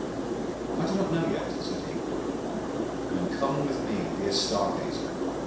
'I don't know yet,' he answered. 'Then come with me and be a Star gazer.